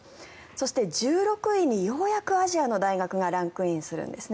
そして１６位にようやくアジアの大学がランクインするんです。